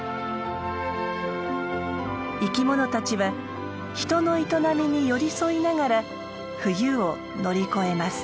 生きものたちは人の営みに寄り添いながら冬を乗り越えます。